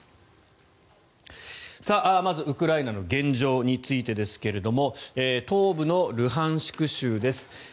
まずウクライナの現状についてですけど東部のルハンシク州です。